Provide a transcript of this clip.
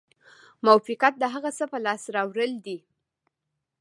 موفقیت د هغه څه په لاس راوړل دي.